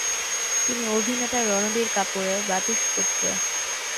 তিনি অভিনেতা রণধীর কাপুরের ভ্রাতুষ্পুত্র।